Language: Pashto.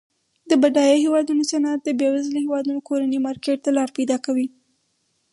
د بډایه هیوادونو صنعت د بیوزله هیوادونو کورني مارکیټ ته لار پیداکوي.